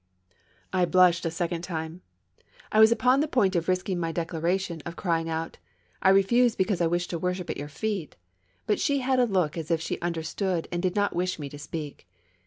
I blushed a second time. I was upon the point of risking my declaration, of crying out :" I refuse be cause I wish to worship at your feet !" But she had a look as if she understood and did not wish me to speak.